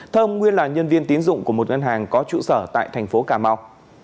thơm nguyên là nhân viên tín dụng của một ngân hàng có trụ sở tại thành phố cà mau